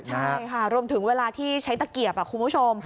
ใช่ค่ะรวมถึงเวลาที่ใช้ตะเกียบคุณผู้ชม